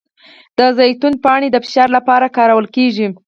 د زیتون پاڼې د فشار لپاره کارول کیږي؟